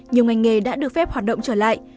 nhiều ngành nghề đã được phép hoạt động trở lại